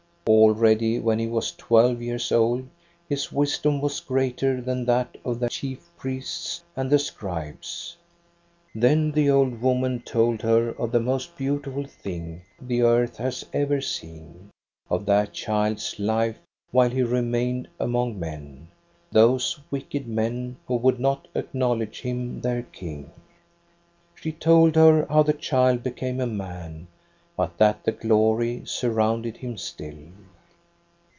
Already, when he was twelve years old, his wisdom was greater than that of the chief priests and the scribes. " Then the old woman told her of the most beauti ful thing the earth has ever seen: of that child's life while he remained among men, — those wicked men who would not acknowledge him their King. " She told her how the child became a man, but that the glory surrounded him still.